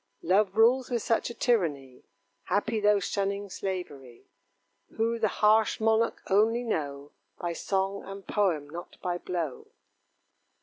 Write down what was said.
Love rules with such a tyranny, Happy those shunning slavery; Who the harsh monarch only know By song and poem, not by blow.